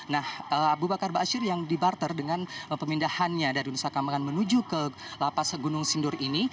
nah aba bakar aba asyir yang dibarter dengan pemindahannya dari nusa kampangan menuju ke lapas gunung sindur ini